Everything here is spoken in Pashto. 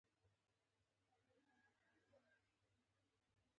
د برونزو د مډال شونتیا هم شته. هغه په خوشحالۍ وویل.